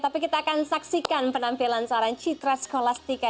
tapi kita akan saksikan penampilan seorang citra skolastika